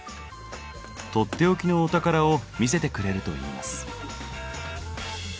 取って置きのお宝を見せてくれるといいます。